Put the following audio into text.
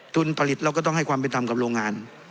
ทุนผลิตเราก็ต้องให้ความเป็นธรรมกับโรงงาน